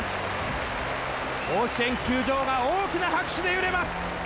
甲子園球場が大きな拍手で揺れます！